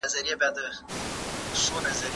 که ته غواړې نو زه به ستا د مننې پیغام ورسوم.